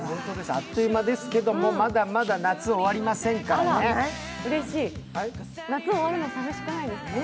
あっという間ですけれどもまだまだ夏終わりませんからね。